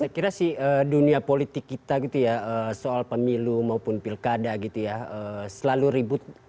saya kira sih dunia politik kita gitu ya soal pemilu maupun pilkada gitu ya selalu ribut